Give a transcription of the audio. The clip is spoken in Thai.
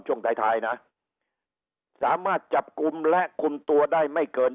ช่วงท้ายท้ายนะสามารถจับกลุ่มและคุมตัวได้ไม่เกิน